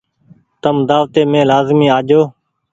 تم دآوتي مين لآزمي آجو ۔